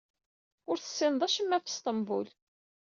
Ur tessineḍ acemma ɣef Sṭembul.